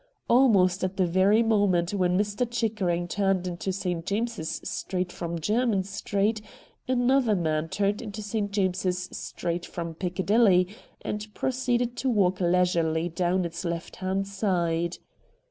Almost at the very moment when Mr. Chickering turned into St. James's Street from Jermyn Street, another man turned into St. James's Street from Piccadilly, and proceeded to walk leisurely down its left hand side.